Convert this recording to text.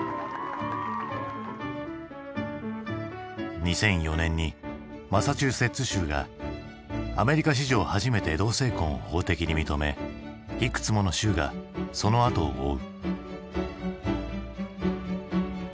２００４年にマサチューセッツ州がアメリカ史上初めて同性婚を法的に認めいくつもの州がそのあとを追う。